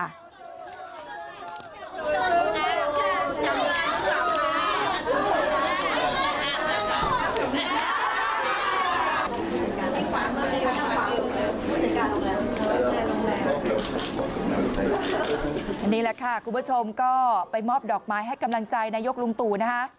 อันนี้แหละค่ะคุณผู้ชมก็ไปมอบดอกไม้ให้กำลังใจนายกลุงตู่นะคะ